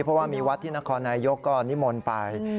เพราะว่ามีวัดที่นครนายกก็นิมนต์ไป